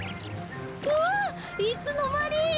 うわいつのまに！？